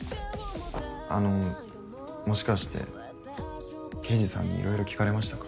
あのもしかして刑事さんにいろいろ聞かれましたか？